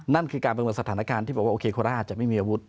นั่นคือการประเมินสถานการณ์ที่บอกว่าโอเคโคราชอาจจะไม่มีอาวุธ